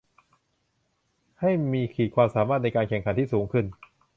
ให้มีขีดความสามารถในการแข่งขันที่สูงขึ้น